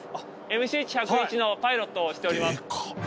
ＭＣＨ−１０１のパイロットをしております。